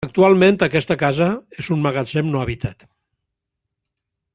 Actualment aquesta casa és un magatzem no habitat.